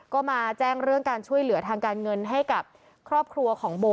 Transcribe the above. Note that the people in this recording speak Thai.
ก็มาแจ้งเรื่องการช่วยเหลือทางการเงินให้กับครอบครัวของโบ